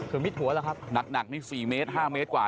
มิดหัวแล้วครับหนักนี่๔เมตร๕เมตรกว่า